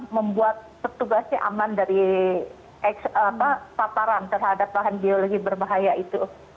membuat petugasnya aman dari paparan terhadap bahan biologi berbahaya itu